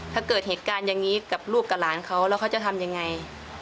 ถ้าเกิดเหตุการณ์อย่างนี้กับลูกกับหลานเขาแล้วเขาจะทำยังไง